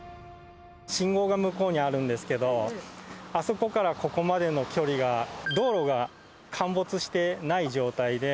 信号が向こうにあるんですけど、あそこからここまでの距離が、道路が陥没してない状態で。